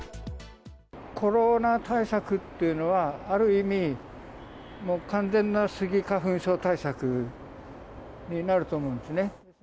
コロナ対策っていうのは、ある意味、もう完全なスギ花粉症対策になると思うんですよね。